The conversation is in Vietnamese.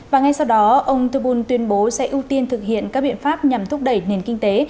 và ngay sau đó ông tobul tuyên bố sẽ ưu tiên thực hiện các biện pháp nhằm thúc đẩy nền kinh tế